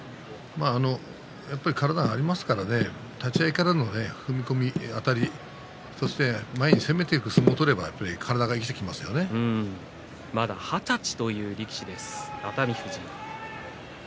やっぱり体がありますからね立ち合いからの踏み込みとあたりそして前に攻めていく相撲をまだ二十歳という熱海富士です。